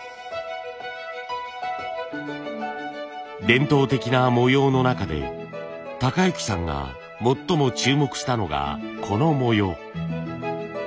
伝統的な模様の中で崇之さんが最も注目したのがこの模様。